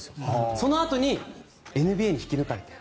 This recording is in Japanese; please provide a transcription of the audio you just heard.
そのあとにＮＢＡに引き抜かれた。